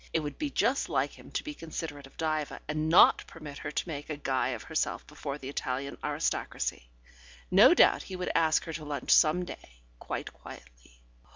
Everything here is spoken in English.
It would be just like him to be considerate of Diva, and not permit her to make a guy of herself before the Italian aristocracy. No doubt he would ask her to lunch some day, quite quietly.